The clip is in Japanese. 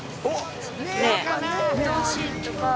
おっ。